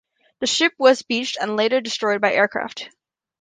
The ship was beached and later destroyed by aircraft.